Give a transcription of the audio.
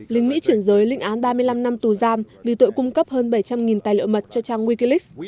lính mỹ chuyển giới lịnh án ba mươi năm năm tù giam vì tội cung cấp hơn bảy trăm linh tài liệu mật cho trang wikileaks